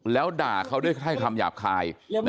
แล้วด่าเขาให้คำหยาบคาย